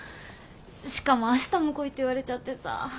しかも明日も来いって言われちゃってさ。